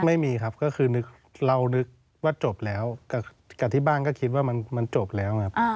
ไม่มีครับก็คือเรานึกว่าจบแล้วกับที่บ้านก็คิดว่ามันจบแล้วครับ